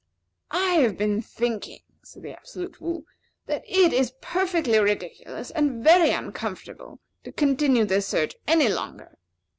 "I have been thinking," said the Absolute Fool, "that it is perfectly ridiculous, and very uncomfortable, to continue this search any longer.